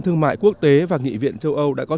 thương mại quốc tế và nghị viện châu âu đã có